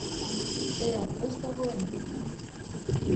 Ea prest dagoen!